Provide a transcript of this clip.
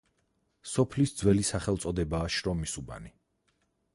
სოფლის ძველი სახელწოდებაა შრომისუბანი.